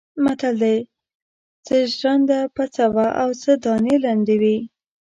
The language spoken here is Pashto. متل دی: څه ژرنده پڅه وه او څه دانې لندې وې.